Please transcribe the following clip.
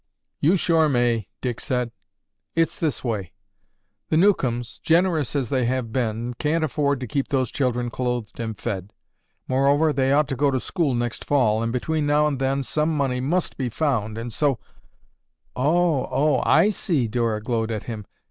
"You sure may," Dick said. "It's this way. The Newcombs, generous as they have been, can't afford to keep those children clothed and fed. Moreover they ought to go to school next fall and between now and then, some money must be found and so—" "Oh! Oh! I see!" Dora glowed at him.